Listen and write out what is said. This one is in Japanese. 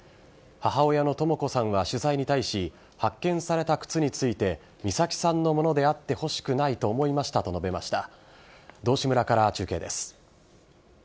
母親のとも子さんは取材に対し発見された靴について美咲さんのものであってほしくないと思いましたと述べました。